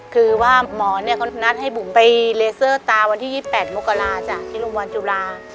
คือว่าหมอเนี่ยเขานัดให้บุ๋มไปเลเซอร์ตาวันที่๒๘มกราจ้ะที่โรงพยาบาลจุฬา